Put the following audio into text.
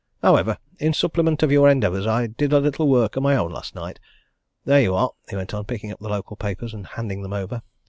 However, in supplement of your endeavours, I did a little work of my own last night. There you are!" he went on, picking up the local papers and handing them over.